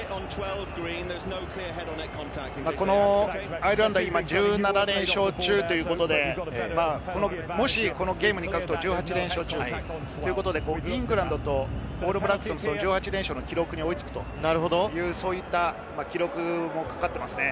アイルランドは１７連勝中ということで、もし、このゲームに勝つと１８連勝ということで、イングランドとオールブラックスの１８連勝の記録に追い付くという記録もかかっています。